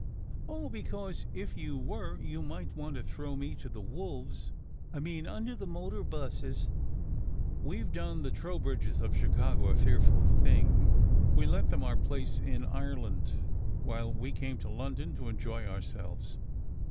" "Oh, because, if you were, you might want to throw me to the wolves I mean under the motor buses. We ve done the Trowbridges of Chicago a fearful wrong. We let them our place in Ireland, while we came to London to enjoy ourselves."